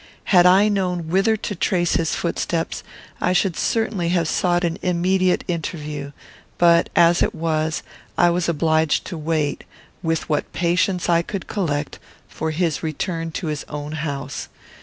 Had I known whither to trace his footsteps, I should certainly have sought an immediate interview; but, as it was, I was obliged to wait, with what patience I could collect, for his return to his own house.